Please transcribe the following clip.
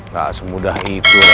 gak semudah itu rian